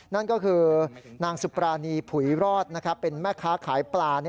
นั่นก็คือนางสุปรานีผุยรอดเป็นแม่ค้าขายปลา